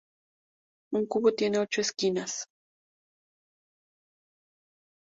Un cubo tiene ocho esquinas.